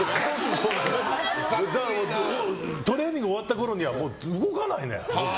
トレーニング終わったころには動かないのよ。